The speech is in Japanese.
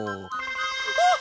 あっ！